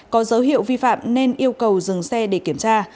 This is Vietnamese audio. có dấu hiệu vi phạm nên yêu cầu dừng xe để kiểm tra